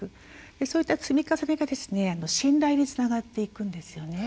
そういった積み重ねが信頼につながっていくんですよね。